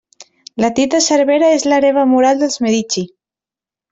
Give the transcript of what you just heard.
La Tita Cervera és l'hereva moral dels Medici.